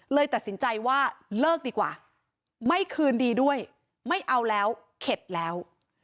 เลยตัดสินใจว่าเลิกดีกว่าไม่คืนดีด้วยไม่เอาแล้วเข็ดแล้ว